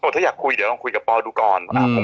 ถ้าอยากคุยเดี๋ยวลองคุยกับปอดูก่อน